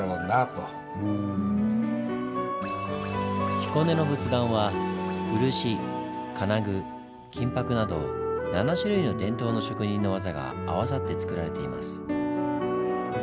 彦根の仏壇は漆金具金箔など７種類の伝統の職人の技が合わさって作られています。